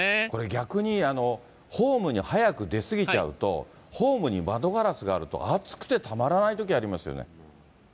逆にホームに早く出過ぎちゃうと、ホームに窓ガラスがあると、暑くてたまらないときありますよね。